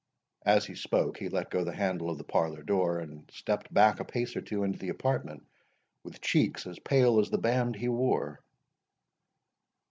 As he spoke, he let go the handle of the parlour door, and stepped back a pace or two into the apartment, with cheeks as pale as the band he wore.